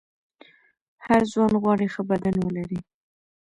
هر ځوان غواړي ښه بدن ولري.